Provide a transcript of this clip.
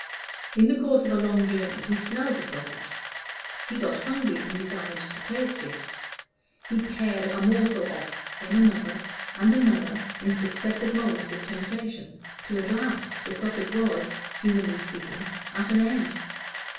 In the course of a long journey he smelled the sausage; he got hungry, and desired to taste it; he pared a morsel off, then another, and another, in successive moments of temptation, till at last the sausage was, humanly speaking, at an end.